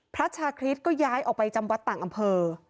พระชาคริสก็ย้ายออกไปจำวัดต่างอำเภอ